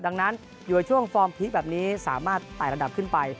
ดังนั้นอยู่ในช่วงฟอร์มพีคแบบนี้สามารถไต่ระดับขึ้นไป